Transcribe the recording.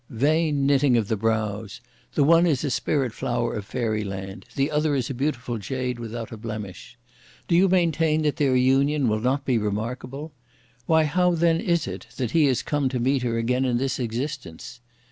Vain knitting of the brows. The one is a spirit flower of Fairyland; the other is a beautiful jade without a blemish. Do you maintain that their union will not be remarkable? Why how then is it that he has come to meet her again in this existence?